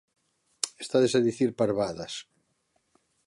Estades a dicir parvadas.